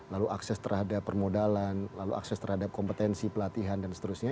lalu akses terhadap permodalan lalu akses terhadap kompetensi pelatihan dan seterusnya